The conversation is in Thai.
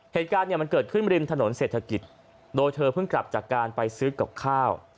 เหตุการณ์เนี่ยมันเกิดขึ้นริมถนนเศรษฐกิจโดยเธอเพิ่งกลับจากการไปซื้อกับข้าว